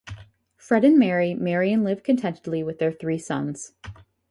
Fred and Mary marry and live contentedly with their three sons.